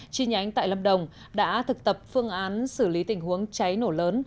chi nhánh tại lâm đồng đã thực tập phương án xử lý tình huống cháy nổ lớn